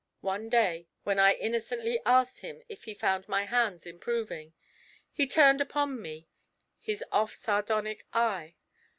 One day when I innocently asked him if he found my hands improving, he turned upon me his off sardonic eye.